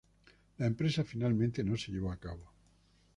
La empresa finalmente no se llevó a cabo.